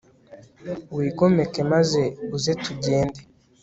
wigomeke maze uze tugende